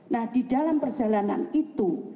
nah di dalam perjalanan itu